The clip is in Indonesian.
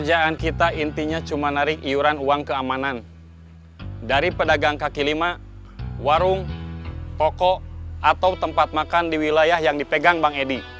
pekerjaan kita intinya cuma narik iuran uang keamanan dari pedagang kaki lima warung pokok atau tempat makan di wilayah yang dipegang bang edi